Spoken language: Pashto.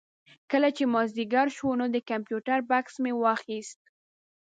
کله چې مازدیګر شو نو د کمپیوټر بکس مې واخېست.